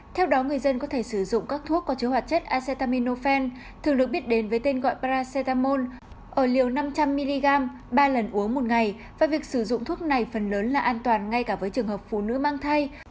theo đó người dân có thể sử dụng các thuốc có chứa hoạt chất acetaminophen thường được biết đến với tên gọi paracetamol ở liều năm trăm linh mg ba lần uống một ngày và việc sử dụng thuốc này phần lớn là an toàn ngay cả với trường hợp phụ nữ mang thai